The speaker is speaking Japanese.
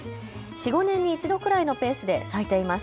４、５年に一度ぐらいのペースで咲いています。